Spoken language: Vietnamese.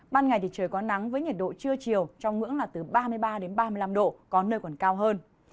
ban ngày thì trời có nắng với nhiệt độ trưa chiều trong ngưỡng là từ ba mươi ba đến ba mươi năm độ có nơi còn cao hơn